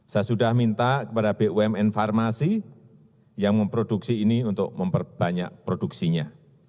saya sudah minta kepada bumn farmasi yang memproduksi ini untuk memperbanyak produksinya